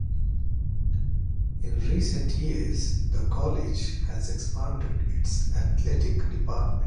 In recent years, the college has expanded its athletic department.